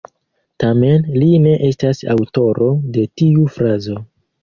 Tamen li ne estas aŭtoro de tiu frazo.